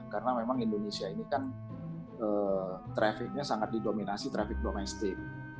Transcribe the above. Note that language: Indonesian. karena memang indonesia ini kan traffic nya sangat didominasi traffic domestik